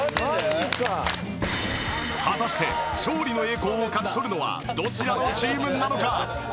果たして勝利の栄光を勝ち取るのはどちらのチームなのか？